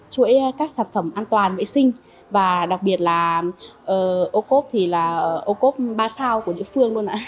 chuỗi các sản phẩm an toàn vệ sinh và đặc biệt là ô cốp thì là ô cốp ba sao của địa phương luôn ạ